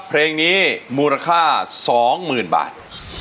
เพลงนี้มูลค่าสองหมื่นบาท